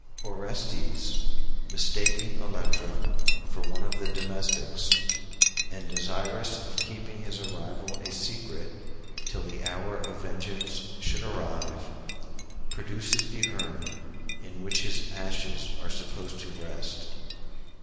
Orestes, mistaking Electra for one of the domestics, and desirous of keeping his arrival a secret till the hour of vengeance should arrive, produces the urn in which his ashes are supposed to rest.